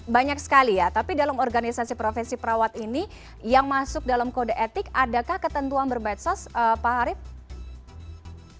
banyak sekali ya tapi dalam organisasi profesi perawat ini yang masuk dalam kode etik adakah ketentuan bermedsos pak harif